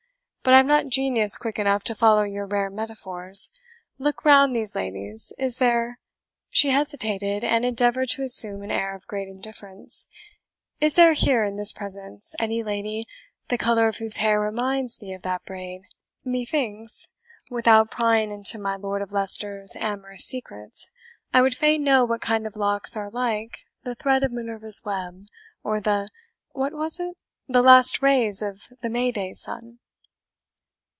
"But I have not genius quick enough to follow your rare metaphors. Look round these ladies is there" (she hesitated, and endeavoured to assume an air of great indifference) "is there here, in this presence, any lady, the colour of whose hair reminds thee of that braid? Methinks, without prying into my Lord of Leicester's amorous secrets, I would fain know what kind of locks are like the thread of Minerva's web, or the what was it? the last rays of the May day sun."